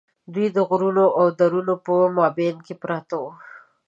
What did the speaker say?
دوی د غرونو او درو په مابین کې پراته وو.